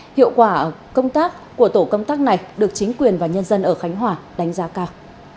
hiệu quả công tác của tổ công tác này được chính quyền và nhân dân ở khánh hòa đánh giá cao